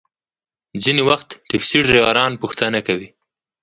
ځینې وخت ټکسي ډریوران پوښتنه کوي.